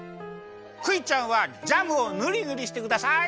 クイちゃんはジャムをぬりぬりしてください！